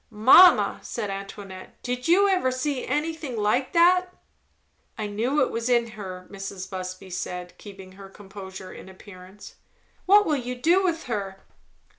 "Mamma!" said Antoinette. "Did you ever see anything like that?" "I knew it was in her," Mrs. Busby said, keeping her composure in appearance. "What will you do with her?"